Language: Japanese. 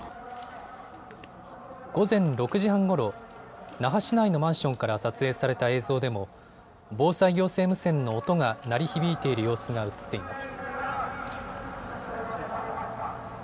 午前６時半ごろ、那覇市内のマンションから撮影された映像でも防災行政無線の音が鳴り響いている様子が映っています。